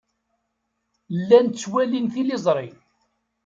Llan ttwalin tiliẓri.